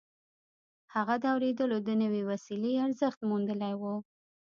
هغه د اورېدلو د نوې وسيلې ارزښت موندلی و.